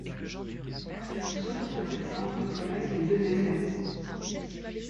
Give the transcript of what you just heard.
Certaines sources récentes reconnaissent les deux espèces.